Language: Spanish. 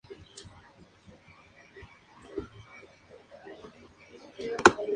Es un paralelogramo, es decir, todos sus lados son paralelos dos a dos.